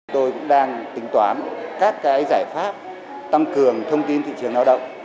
tôi cũng đang tính toán các giải pháp tăng cường thông tin thị trường lao động